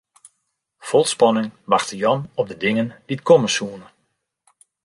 Fol spanning wachte Jan op de dingen dy't komme soene.